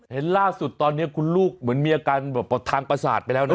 เห็นล่าสุดตอนนี้คุณลูกเหมือนมีอาการแบบทางประสาทไปแล้วนะ